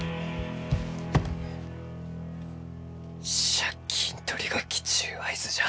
借金取りが来ちゅう合図じゃ。